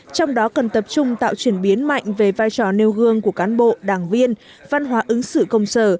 trong đó cần tập trung tạo chuyển biến mạnh về vai trò nêu gương của cán bộ đảng viên văn hóa ứng xử công sở